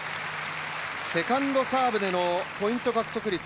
セカンドサーブでのポイント獲得率